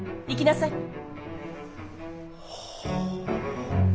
行きなさい。